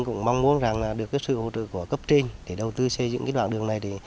cũng mong muốn được sự hỗ trợ của cấp trên để đầu tư xây dựng đoạn đường này